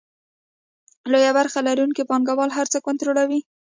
لویه برخه لرونکي پانګوال هر څه کنټرولوي